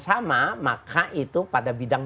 sama maka itu pada bidang